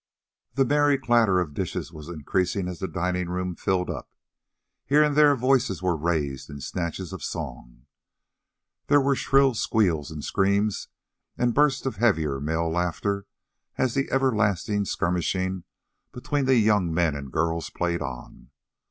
The merry clatter of dishes was increasing as the dining room filled up. Here and there voices were raised in snatches of song. There were shrill squeals and screams and bursts of heavier male laughter as the everlasting skirmishing between the young men and girls played on.